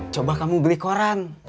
coba kamu beli koran